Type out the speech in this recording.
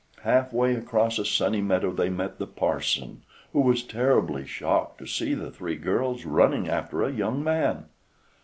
Half way across a sunny meadow, they met the parson, who was terribly shocked to see the three girls running after a young man.